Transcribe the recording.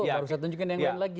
baru saya tunjukin yang lain lagi